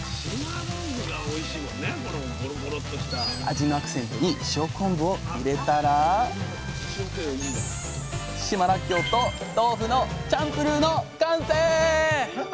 味のアクセントに塩昆布を入れたら島らっきょうと豆腐のチャンプルーの完成！